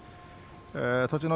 栃ノ